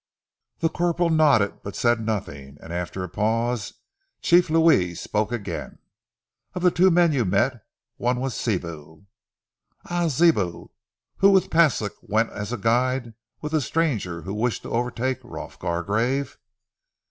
The corporal nodded, but said nothing, and after a pause Chief Louis spoke again. "Of ze two men you met, one was Sibou." "Ah! Sibou, who with Paslik went as guide with the stranger who wished to overtake Rolf Gargrave?"